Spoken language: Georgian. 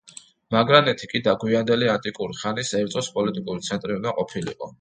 მაგრანეთი კი გვიანდელი ანტიკური ხანის ერწოს პოლიტიკური ცენტრი უნდა ყოფილიყო.